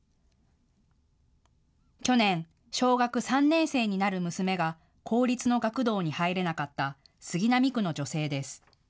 去年、小学３年生になる娘が公立の学童に入れなかった杉並区の女性です。